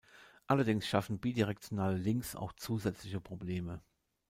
Allerdings schaffen bidirektionale Links auch zusätzliche Probleme.